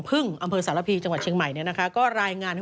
ซึ่งตอน๕โมง๔๕นะฮะทางหน่วยซิวได้มีการยุติการค้นหาที่